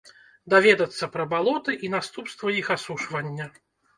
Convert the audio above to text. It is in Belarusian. Даведацца пра балоты і наступствы іх асушвання.